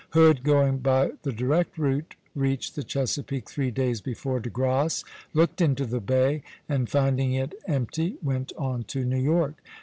Hood, going by the direct route, reached the Chesapeake three days before De Grasse, looked into the bay, and finding it empty went on to New York.